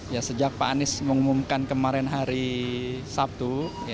ya sejak pak anies mengumumkan kemarin hari sabtu